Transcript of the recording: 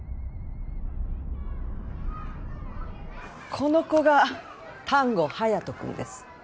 この子が丹後隼人君です